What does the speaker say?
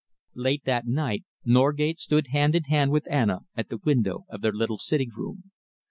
Late that night, Norgate stood hand in hand with Anna at the window of their little sitting room.